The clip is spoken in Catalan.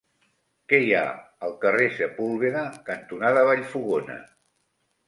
Què hi ha al carrer Sepúlveda cantonada Vallfogona?